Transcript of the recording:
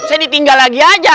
saya ditinggal lagi aja